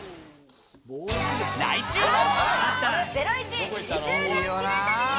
来週は。